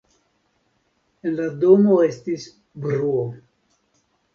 En la domo estis bruo.